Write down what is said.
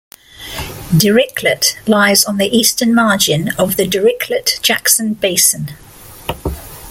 Dirichlet lies on the eastern margin of the Dirichlet-Jackson Basin.